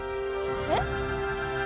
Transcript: えっ？